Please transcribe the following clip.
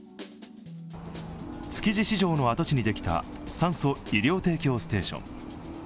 築地市場の跡地にできた酸素・医療提供ステーション。